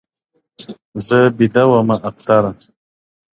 • زه ومه ويده اكثر.